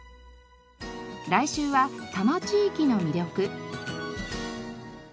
来週は多摩地域の魅力。